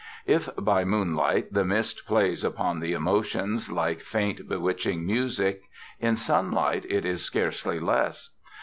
If by moonlight the mist plays upon the emotions like faint, bewitching music, in sunlight it is scarcely less.